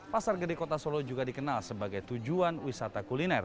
pasar gede kota solo juga dikenal sebagai tujuan wisata kuliner